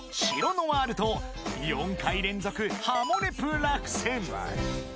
ノワールと４回連続『ハモネプ』落選］